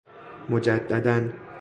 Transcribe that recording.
مجدداً